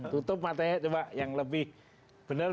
tutup matanya coba yang lebih benar